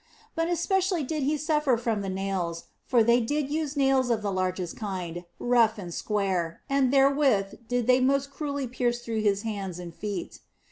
But especially did He suffer from the nails, for they did use nails of the largest kind, rough and square, and there with did they most cruelly pierce through His hands and feet.